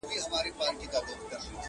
خر له باره ولوېدی، له گوزو ونه لوېدی.